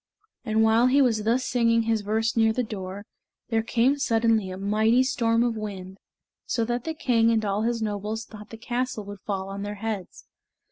And while he was thus singing his verse near the door, there came suddenly a mighty storm of wind, so that the king and all his nobles thought the castle would fall on their heads.